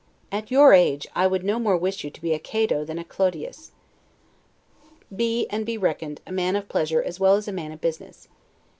At your age, I would no more wish you to be a Cato than a Clodius. Be, and be reckoned, a man of pleasure as well as a man of business.